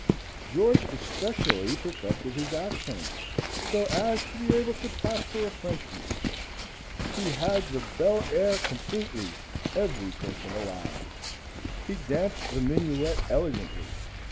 George especially perfected his accent so as to be able to pass for a Frenchman. He had the bel air completely, every person allowed. He danced the minuet elegantly.